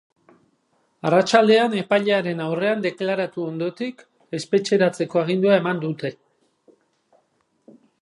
Arratsaldean, epailearen aurrean deklaratu ondotik, espetxeratzeko agindua eman dute.